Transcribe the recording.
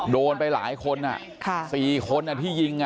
โดนไปหลายคน๔คนที่ยิง